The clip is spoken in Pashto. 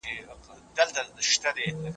غوټۍګله